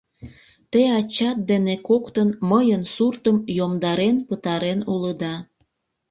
Те ачат дене коктын мыйын суртым йомдарен пытарен улыда...